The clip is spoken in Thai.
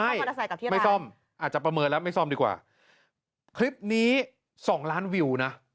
ใช่ไม่ซ่อมอาจจะประเมิดแล้วไม่ซ่อมดีกว่าคลิปนี้สองล้านวิวน่ะ